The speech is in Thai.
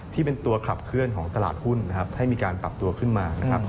ที่เป็นตัวขับเคลื่อนของตลาดหุ้นนะครับให้มีการปรับตัวขึ้นมานะครับ